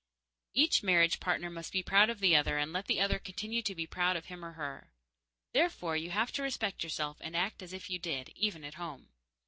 Each marriage partner must be proud of the other and let the other continue to be proud of him or her. Therefore you have to respect yourself and act as if you did, even at home.